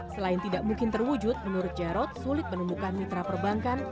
selain tidak mungkin terwujud menurut jarod sulit menemukan mitra perbankan